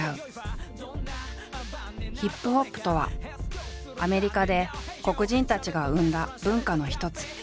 ＨＩＰＨＯＰとはアメリカで黒人たちが生んだ文化の一つ。